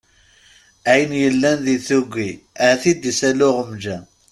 Ayen yellan di tuggi ad t-id-issali uɣenǧa.